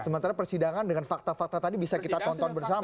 sementara persidangan dengan fakta fakta tadi bisa kita tonton bersama